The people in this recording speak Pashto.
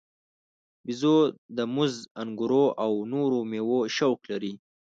بیزو د موز، انګورو او نورو میوو شوق لري.